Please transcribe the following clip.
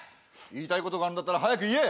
言いたいことがあるんだったら早く言え。